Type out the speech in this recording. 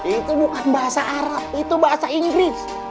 itu bukan bahasa arab itu bahasa inggris